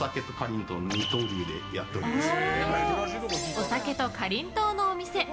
お酒とかりんとうのお店。